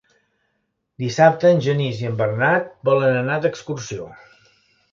Dissabte en Genís i en Bernat volen anar d'excursió.